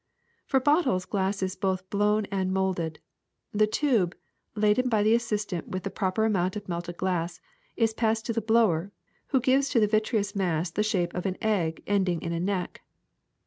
^^For bottles glass is both blown and molded. The tube, laden by the assistant with the proper amount of melted glass, is passed to the blower, who gives to the vitreous mass the shape of an egg ending in a neck.